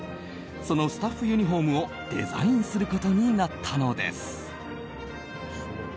そのスタッフユニホームをデザインすることになったのです。